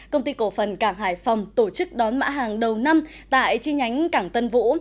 công ty cổ phần cảng hải phòng tổ chức đón mã hàng đầu năm tại chi nhánh cảng tân vũ